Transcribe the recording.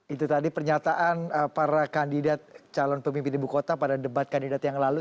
itu tadi pernyataan para kandidat calon pemimpin ibu kota pada debat kandidat yang lalu